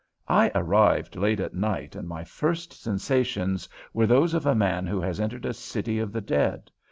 I arrived late at night, and my first sensations were those of a man who has entered a city of the dead.